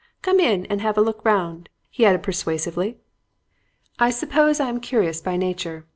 Come in and have a look round,' he added persuasively. "I suppose I am curious by nature.